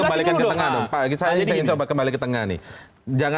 kemudian dia akan menyebutkan di dalam kata kata yang tersebut bahwa itu adalah satu tanda yang